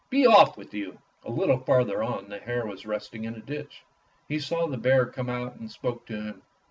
"Be off with you." A little farther on the hare was resting in a ditch. He saw the bear and came out and spoke to him.